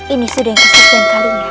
ini sudah yang kesekian kalinya